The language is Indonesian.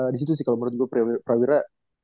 disitu sih kalo menurut gua prawira